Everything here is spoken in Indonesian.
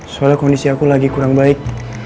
soalnya kondisi aku lagi kurang baik